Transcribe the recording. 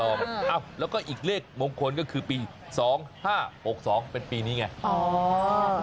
เอ้าแล้วก็อีกเลขมงคลก็คือปี๒๕๖๒เป็นปีนี้ไง